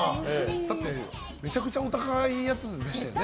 だって、めちゃくちゃお高いやつでしたよね。